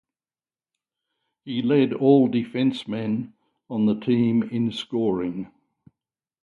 He led all defenceman on the team in scoring.